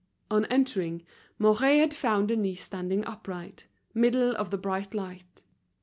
On entering, Mouret had found Denise standing upright, middle of the bright light.